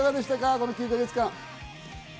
この９か月間。